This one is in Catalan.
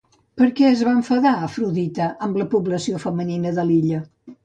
Per què es va enfadar, Afrodita, amb la població femenina de l'illa?